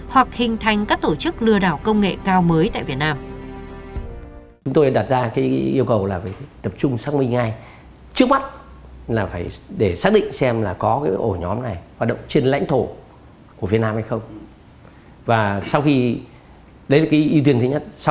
hoặc hình thành các tổ chức lừa đảo công nghệ cao mới tại việt nam